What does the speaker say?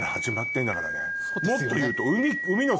もっと言うと。